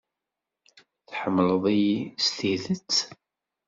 Tḥemmleḍ-iyi s tidet?